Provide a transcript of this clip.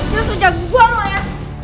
jangan terus jago gua lo ya